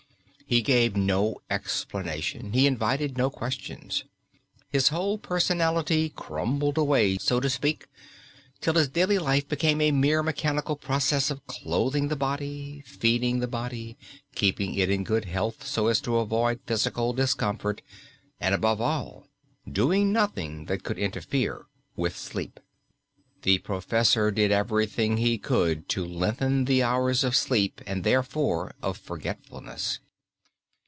He gave no explanation, he invited no questions. His whole personality crumbled away, so to speak, till his daily life became a mere mechanical process of clothing the body, feeding the body, keeping it in good health so as to avoid physical discomfort, and, above all, doing nothing that could interfere with sleep. The professor did everything he could to lengthen the hours of sleep, and therefore of forgetfulness.